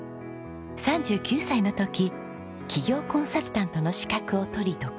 ３９歳の時企業コンサルタントの資格を取り独立。